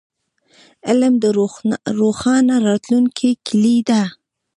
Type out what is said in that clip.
علم د روښانه راتلونکي کیلي ده.